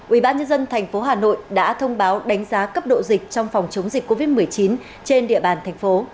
ubnd tp hà nội đã thông báo đánh giá cấp độ dịch trong phòng chống dịch covid một mươi chín trên địa bàn thành phố